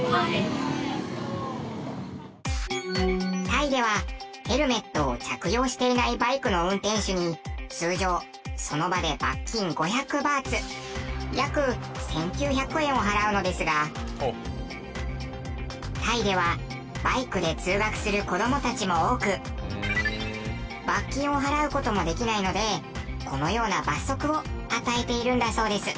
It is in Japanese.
タイではヘルメットを着用していないバイクの運転手に通常その場で罰金５００バーツ約１９００円を払うのですがタイではバイクで通学する子供たちも多く罰金を払う事ができないのでこのような罰則を与えているんだそうです。